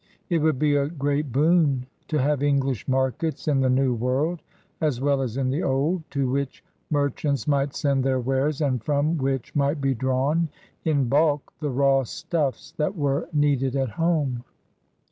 It would be a great boon to have English markets in the New World, as well as in the Old, to which merchants might send their wares and from which might be drawn in bulk the raw stuffs that were needed at home.